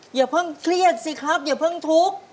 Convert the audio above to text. อย่าเพิ่งเครียดสิครับอย่าเพิ่งทุกข์